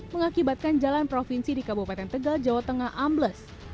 mengakibatkan jalan provinsi di kabupaten tegal jawa tengah ambles